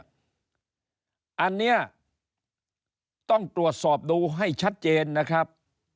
อันนี้ต้องตรวจสอบดูให้ชัดเจนนะครับ